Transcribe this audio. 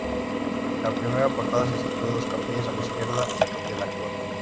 La primera portada se situó dos capillas a la izquierda de la actual.